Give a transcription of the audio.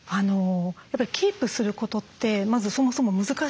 やっぱりキープすることってまずそもそも難しい。